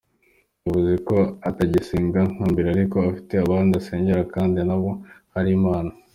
Yavuze ko atagisenga nka mbere ariko ko afite ahandi asengera kandi naho hari Imana.